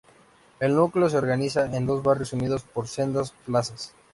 El núcleo se organiza en dos barrios unidos por sendas plazas.